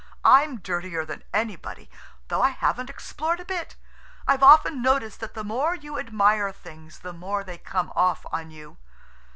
I'm dirtier than anybody, though I haven't explored a bit. I've often noticed that the more you admire things the more they come off on you!"